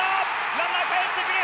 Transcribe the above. ランナーかえってくる！